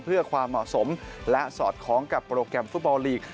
เพื่อความเหมาะสมและสอดคล้องกับโปรแกรมฟุตบอลลีก